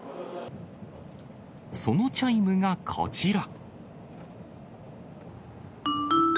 そのチャイムがこちら。